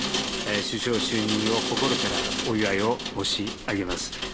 首相就任を心からお祝いを申し上げます。